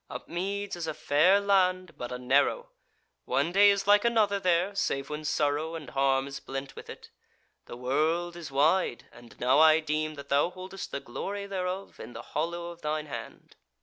Upmeads is a fair land, but a narrow; one day is like another there, save when sorrow and harm is blent with it. The world is wide, and now I deem that thou holdest the glory thereof in the hollow of thine hand."